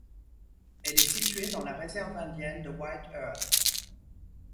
Elle est située dans la réserve indienne de White Earth.